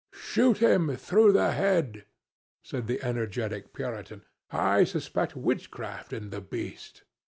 "Shoot him through the head!" said the energetic Puritan. "I suspect witchcraft in the beast."